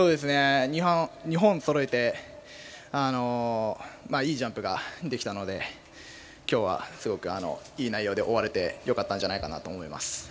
２本そろえていいジャンプができたので今日は、すごくいい内容で終われてよかったんじゃないかなと思います。